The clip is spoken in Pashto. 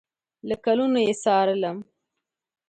له کلونو یې څارلم